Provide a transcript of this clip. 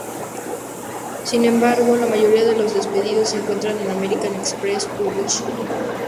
Sin embargo, la mayoría de los despidos se encuentran en American Express Publishing.